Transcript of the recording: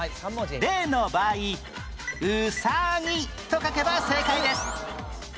例の場合「ウサギ」と書けば正解です